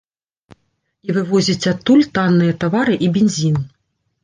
І вывозіць адтуль танныя тавары і бензін.